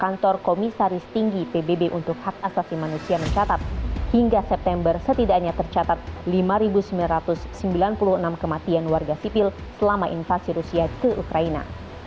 kantor komisaris tinggi pbb untuk hak asasi manusia mencatat hingga september setidaknya tercatat lima sembilan ratus sembilan puluh enam kematian warga sipil selama invasi rusia ke ukraina